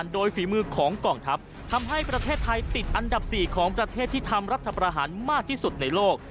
โดยฝีมือของกองทัพทำให้ประเทศไทยติดอันดับ๔ของประเทศที่ทำรัฐประหารมากที่สุดในโลก